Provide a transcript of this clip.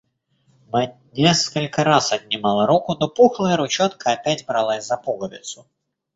Мать несколько раз отнимала руку, но пухлая ручонка опять бралась за пуговицу.